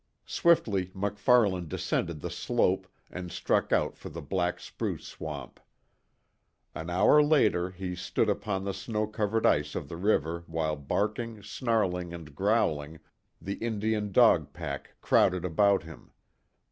Swiftly MacFarlane descended the slope and struck out for the black spruce swamp. An hour later he stood upon the snow covered ice of the river while barking, snarling and growling, the Indian dog pack crowded about him.